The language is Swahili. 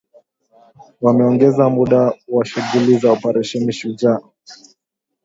Wameongeza muda wa shughuli za Operesheni Shujaa